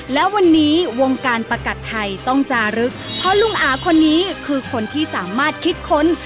และวันนี้วงการประกัดไทยต้องจารึกเพราะลุงอาคนนี้คือคนที่สามารถคิดค้น